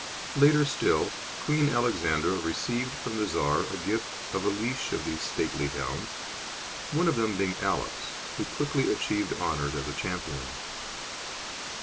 Later still, Queen Alexandra received from the Czar a gift of a leash of these stately hounds, one of them being Alex, who quickly achieved honours as a champion.